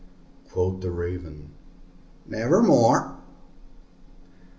Quoth the Raven, "Nevermore."